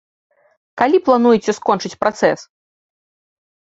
Калі плануеце скончыць працэс?